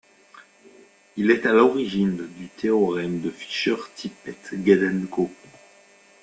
Il est à l'origine du théorème de Fisher-Tippett-Gnedenko.